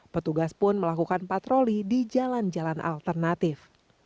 petugas pun melakukan patroli di jalan jalan alternatif